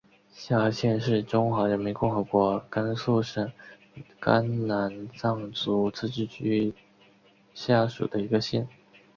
夏河县是中华人民共和国甘肃省甘南藏族自治州下属的一个县。